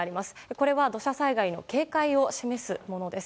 これは、土砂災害の警戒を示すものです。